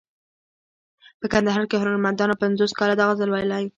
په کندهار کې هنرمندانو پنځوس کاله دا غزل ویلی.